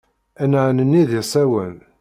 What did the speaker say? Ad nɛnenni d asawen.